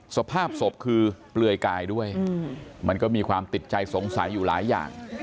สภาพศพคือเปลือยกายด้วยมันก็มีความติดใจสงสัยอยู่หลายอย่าง